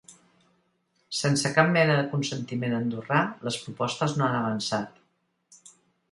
Sense cap mena de consentiment andorrà, les propostes no han avançat.